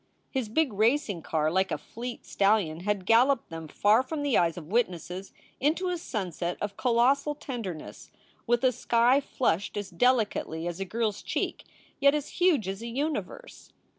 His big racing car, like a fleet stallion, had galloped them far from the eyes of witnesses into a sunset of colossal tender ness, with a sky flushed as delicately as a girl s cheek, yet as huge as a universe.